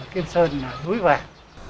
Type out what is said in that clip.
kim sơn là núi vàng